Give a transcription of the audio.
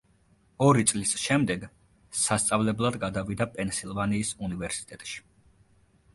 ორი წლის შემდეგ სასწავლებლად გადავიდა პენსილვანიის უნივერსიტეტში.